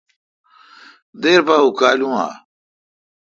دیر پا اوکالوں ا۔